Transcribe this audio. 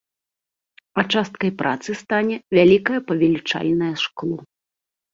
А часткай працы стане вялікае павелічальнае шкло.